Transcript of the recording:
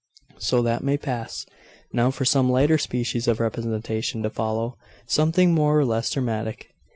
So that may pass. Now for some lighter species of representation to follow something more or less dramatic.